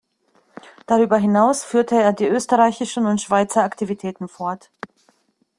Darüber hinaus führte er die österreichischen und Schweizer Aktivitäten fort.